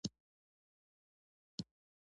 دغو سوداګرو تر ډېره د پارلمان لمن ونیوله.